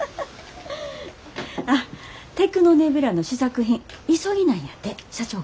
あっテクノネビュラの試作品急ぎなんやて社長が。